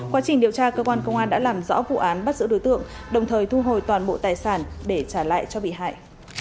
quá trình điều tra cơ quan công an đã làm rõ vụ án bắt giữ đối tượng đồng thời thu hồi toàn bộ tài sản để trả lại cho bị hại